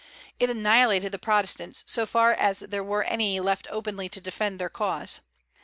It annihilated the Protestants, so far as there were any left openly to defend their cause.